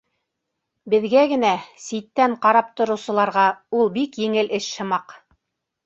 Беҙгә генә, ситтән ҡарап тороусыларға, ул бик еңел эш һымаҡ.